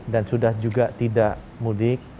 dan sudah juga tidak mudik